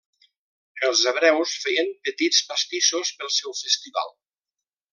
Els hebreus feien petits pastissos pel seu festival.